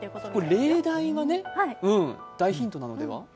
例題が大ヒントなのでは？